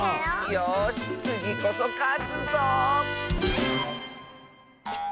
よしつぎこそかつぞ！